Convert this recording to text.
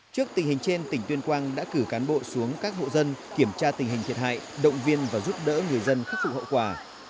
trước tình hình trên tỉnh tuyên quang đã cử cán bộ xuống các hộ dân kiểm tra tình hình thiệt hại động viên và giúp đỡ người dân khắc phục hậu quả